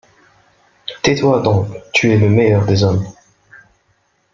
Tais-toi donc ! tu es le meilleur des hommes.